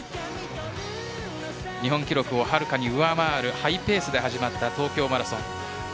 日本記録をはるかに上回るハイペースで始まった東京マラソン。